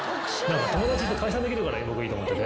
友達って解散できるから僕いいと思ってて。